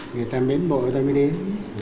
người ta mến bộ người ta mới đến